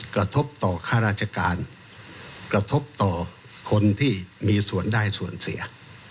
กระทบต่อข้าราชการกระทบต่อคนที่มีส่วนได้ส่วนเสีย